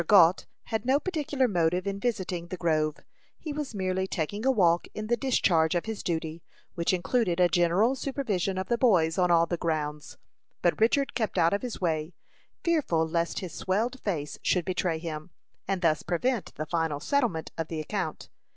Gault had no particular motive in visiting the grove. He was merely taking a walk in the discharge of his duty, which included a general supervision of the boys on all the grounds. But Richard kept out of his way, fearful lest his swelled face should betray him, and thus prevent the final settlement of the account.